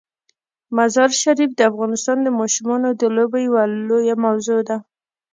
مزارشریف د افغانستان د ماشومانو د لوبو یوه لویه موضوع ده.